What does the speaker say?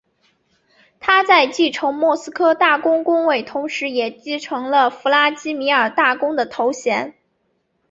他在继承莫斯科大公公位同时也继承了弗拉基米尔大公的头衔。